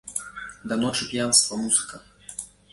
Да ночы п'янства, музыка!